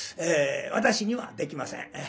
私にはできません。